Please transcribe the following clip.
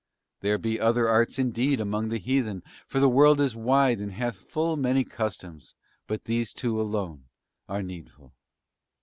There be other arts indeed among the heathen, for the world is wide and hath full many customs, but these two alone are needful."